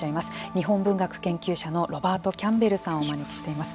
日本文学研究者のロバート・キャンベルさんをお招きしています。